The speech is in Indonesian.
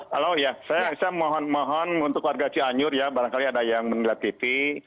halo ya saya mohon mohon untuk warga cianjur ya barangkali ada yang menilai tv